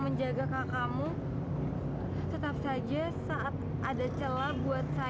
tuhan keamanan dalam bahaya